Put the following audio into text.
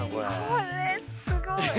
これすごい。